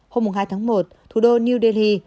hôm hai tháng một thủ đô new delhi